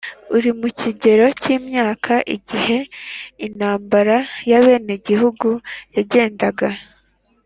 uri mu kigero cy imyaka igihe intambara y abenegihugu yagendaga